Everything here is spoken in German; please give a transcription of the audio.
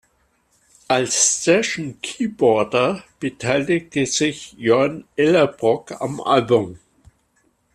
Als Session-Keyboarder beteiligte sich Jörn Ellerbrock am Album.